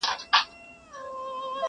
• د ابوجهل به سلطنت وي..